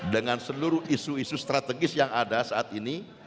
dengan seluruh isu isu strategis yang ada saat ini